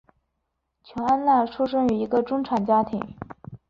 琼安娜出生于一个中产家庭。